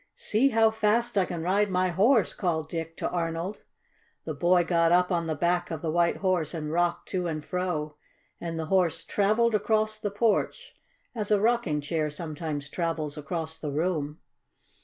"See how fast I can ride my horse!" called Dick to Arnold. The boy got up on the back of the White Horse and rocked to and fro. And the Horse traveled across the porch, as a rocking chair sometimes travels across the room.